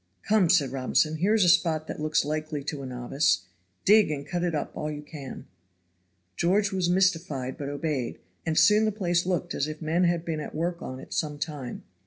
"Come," said Robinson, "here is a spot that looks likely to a novice; dig and cut it up all you can." George was mystified but obeyed, and soon the place looked as if men had been at work on it some time.